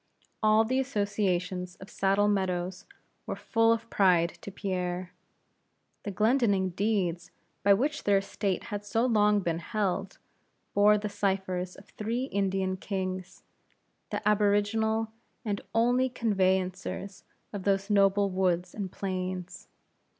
All the associations of Saddle Meadows were full of pride to Pierre. The Glendinning deeds by which their estate had so long been held, bore the cyphers of three Indian kings, the aboriginal and only conveyancers of those noble woods and plains.